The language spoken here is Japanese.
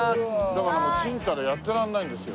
だからもうちんたらやってられないんですよ。